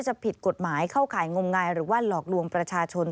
ผิดกฎหมายเข้าข่ายงมงายหรือว่าหลอกลวงประชาชน